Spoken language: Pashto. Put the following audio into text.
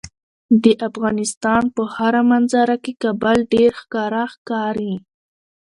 د افغانستان په هره منظره کې کابل ډیر ښکاره ښکاري.